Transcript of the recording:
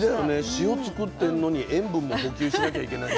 塩つくってんのに塩分も補給しなきゃいけないって。